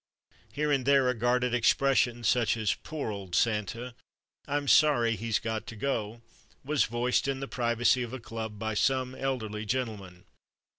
Here and there a guarded expression such as "Poor old Santa! I'm sorry he's got to go!" was voiced, in the privacy of a club, by some elderly gentleman.